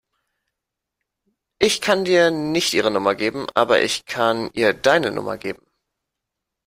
Ich kann dir nicht ihre Nummer geben, aber ich kann ihr deine Nummer geben.